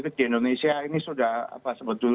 politik di indonesia ini sudah apa sebetulnya